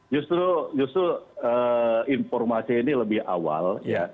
justru informasi ini lebih awal